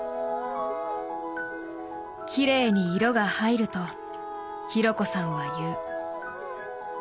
「きれいに色が入る」と紘子さんは言う。